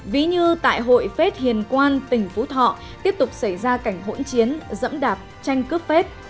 ví như tại hội phết hiền quan tỉnh phú thọ tiếp tục xảy ra cảnh hỗn chiến dẫm đạp tranh cướp phết